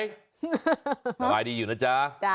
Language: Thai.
สบายดีอยู่นะจ๊ะ